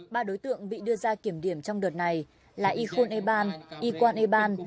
ba đối tượng bị đưa ra kiểm điểm trong đợt này là y khun eban y kwan eban